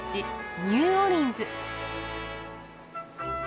ニューオーリンズ。